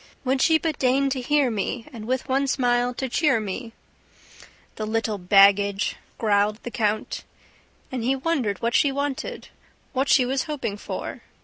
"Would she but deign to hear me And with one smile to cheer me ..." "The little baggage!" growled the count. And he wondered what she wanted. What she was hoping for...